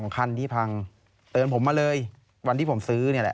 คันที่พังเตือนผมมาเลยวันที่ผมซื้อนี่แหละ